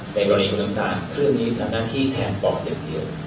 ในกรณีปลอดสัมตาลเครื่องนี้ทำหน้าที่แทนปลอดอย่างเดียว